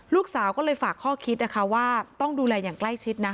ลูกสาวก็เลยฝากข้อคิดนะคะว่าต้องดูแลอย่างใกล้ชิดนะ